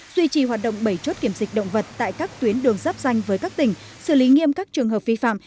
duy trì hoạt động bầy chốt kiểm dịch động vật tại các tuyến đường dắp danh với các tỉnh xử lý nghiêm các trường hợp phi phạm